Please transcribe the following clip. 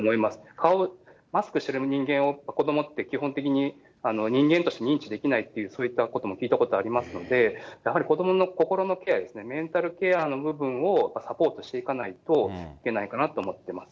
顔、マスクしてる人間を子どもって、基本的に人間として認知できないっていう、そういったことも聞いたことありますので、やはり子どもの心のケアですね、メンタルケアの部分をサポートしていかないといけないかなと思ってます。